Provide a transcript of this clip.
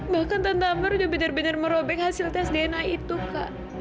bahkan tante ambar sudah benar benar merobek hasil tes dna itu kak